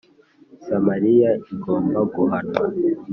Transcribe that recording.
Samariya igomba guhanwa